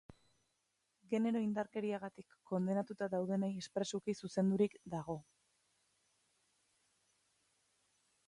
Genero indarkeriagatik kondenatuta daudenei espresuki zuzendurik dago.